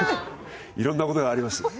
いろんなことがあります。